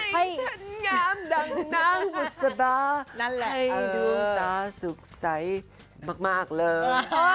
ให้ฉันยามดั่งนางบุษบาให้ดูตาสุขใสมากเลย